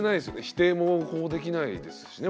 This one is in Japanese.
否定もこうできないですしね。